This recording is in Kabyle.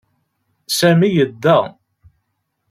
Sami yedda.